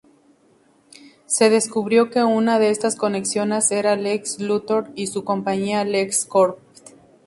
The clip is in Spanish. Se descubrió que una de estas conexiones era Lex Luthor y su compañía, LexCorp.